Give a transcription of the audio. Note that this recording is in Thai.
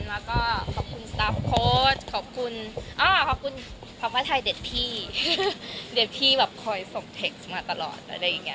แล้วก็ขอบคุณขอบคุณอ้าวขอบคุณพระพระไทยเด็ดพี่เด็ดพี่แบบคอยส่งเท็กส์มาตลอดอะไรอย่างเงี้ย